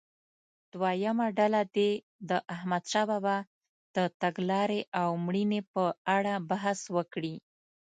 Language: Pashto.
دویمه ډله دې د احمدشاه بابا د تګلارې او مړینې په اړه بحث وکړي.